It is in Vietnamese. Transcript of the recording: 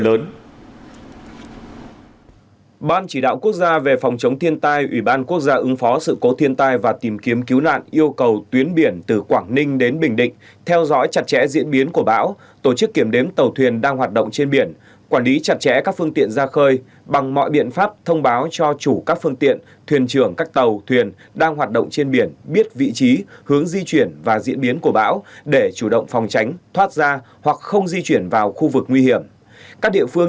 trước diễn biến của bão số năm ban chỉ đạo quốc gia về phòng chống thiên tai ủy ban quốc gia ứng phó sự cố thiên tai và tìm kiếm cứu nạn yêu cầu tuyến biển từ quảng ninh đến bình định theo dõi chặt chẽ diễn biến của bão tổ chức kiểm đếm tàu thuyền đang hoạt động trên biển quản lý chặt chẽ các phương tiện ra khơi bằng mọi biện pháp thông báo cho chủ các phương tiện thuyền trưởng các tàu thuyền đang hoạt động trên biển biết vị trí hướng di chuyển và diễn biến của bão để chủ động phòng tránh thoát ra hoặc không di chuyển vào khu vực n